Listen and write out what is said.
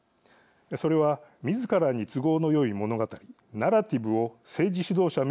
それはみずからに都合のよい物語ナラティブを政治指導者みずからが発信するものです。